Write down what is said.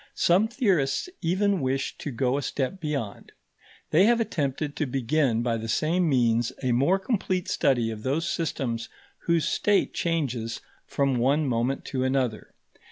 Some theorists even wish to go a step beyond. They have attempted to begin by the same means a more complete study of those systems whose state changes from one moment to another.